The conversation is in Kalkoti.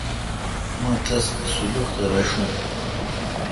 مہ تس سلخ تہ رݭون۔